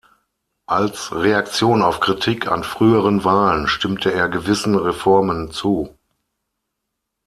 Als Reaktion auf Kritik an früheren Wahlen stimmte er gewissen Reformen zu.